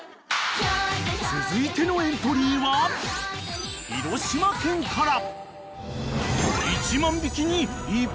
［続いてのエントリーは広島県から］